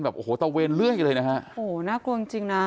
โอ้โหตะเวนเรื่อยเลยนะฮะโอ้โหน่ากลัวจริงจริงน่ะ